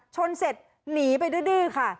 ชนเสร็จหนีไปดื้อค่ะ